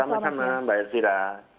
sama sama mbak ertira